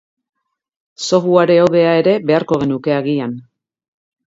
Software hobea ere beharko genuke agian.